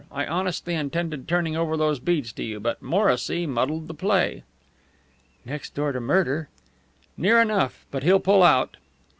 I honestly intended turning over those beads to you, but Morrissy muddled the play." "Next door to murder." "Near enough, but he'll pull out."